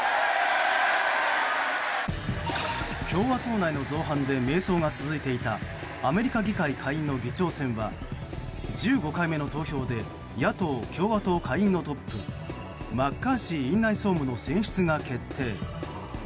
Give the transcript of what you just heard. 共和党内の造反で迷走が続いていたアメリカ議会下院の議長選は１５回目の投票で野党・共和党下院のトップマッカーシー院内総務の選出が決定。